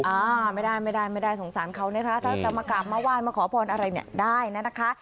อ่าไม่ได้ไม่ได้ไม่ได้สงสารเขาเนี่ยค่ะถ้าจะมากลับมาว่านมาขอพรอะไรเนี่ยได้นะนะคะ